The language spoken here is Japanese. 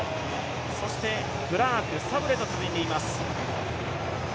そしてクラーク、サブレと続いています。